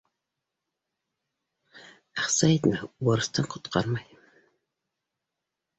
Аҡса етмәү бурыстан ҡотҡармай